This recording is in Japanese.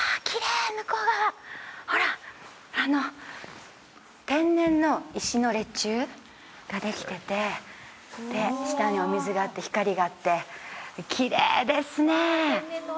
きれい向こう側ほらあの天然の石の列柱ができててで下にお水があって光があってきれいですね